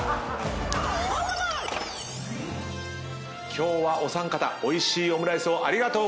今日はお三方おいしいオムライスをありがとうございました！